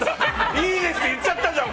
いいですって言っちゃったじゃん。